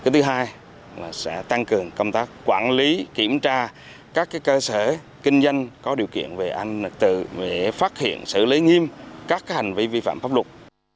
thứ hai là tăng cường công tác quản lý kiểm tra các cơ sở kinh doanh có điều kiện về phát hiện xử lý nghiêm các hành vi vi phạm pháp luật